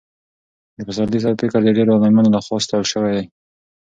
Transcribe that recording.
د پسرلي صاحب فکر د ډېرو عالمانو له خوا ستایل شوی دی.